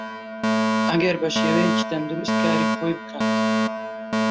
ئەگەر بەشێوەیەکی تەندروست کاری خۆی بکات